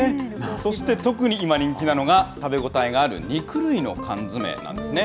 そして特に今人気なのが、食べ応えがある肉類の缶詰なんですね。